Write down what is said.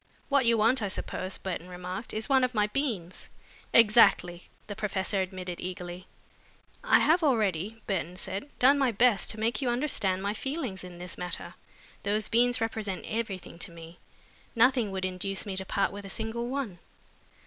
"What you want, I suppose," Burton remarked, "is one of my beans." "Exactly," the professor admitted, eagerly. "I have already," Burton said, "done my best to make you understand my feelings in this matter. Those beans represent everything to me. Nothing would induce me to part with a single one."